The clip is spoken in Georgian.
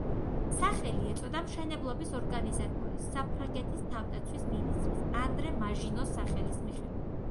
სახელი ეწოდა მშენებლობის ორგანიზატორის, საფრანგეთის თავდაცვის მინისტრის ანდრე მაჟინოს სახელის მიხედვით.